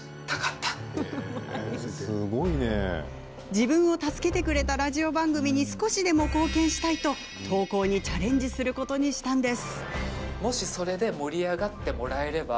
自分を助けてくれたラジオ番組に少しでも貢献したいと投稿にチャレンジすることにしたのです。